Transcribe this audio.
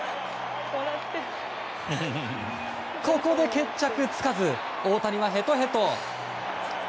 ここで決着つかず大谷はヘトヘト。